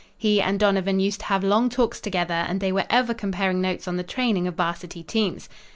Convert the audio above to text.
He and Donovan used to have long talks together and they were ever comparing notes on the training of varsity teams.